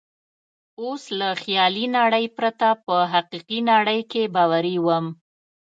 اوس له خیالي نړۍ پرته په حقیقي نړۍ کې باوري وم.